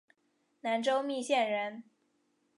南州密县人。